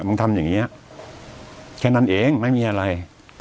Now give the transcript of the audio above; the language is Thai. มึงทำอย่างนี้แค่นั้นเองไม่มีอะไร